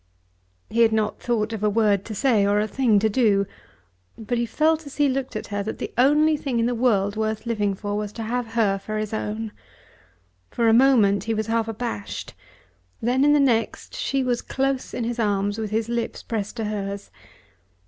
He had not thought of a word to say, or a thing to do; but he felt as he looked at her that the only thing in the world worth living for, was to have her for his own. For a moment he was half abashed. Then in the next she was close in his arms with his lips pressed to hers.